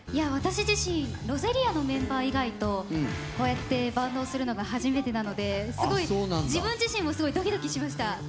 私自身Ｒｏｓｅｌｉａのメンバー以外とこうやってバンドをするのが初めてなのですごい自分自身もすごいドキドキしました